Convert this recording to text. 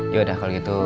yaudah kalau gitu